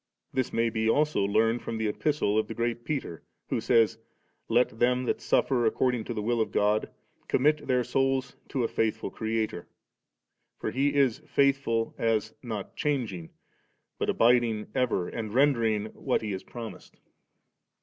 This may be also learned firom the Epistle of the great Peter, who says, |Let them that suffer ac cording to the will of God, commit their souls to a faithful CreatorV For He is faithful as not changing, but abiding ever, and rendering what He has promised.